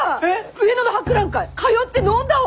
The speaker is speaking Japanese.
上野の博覧会通って飲んだわ！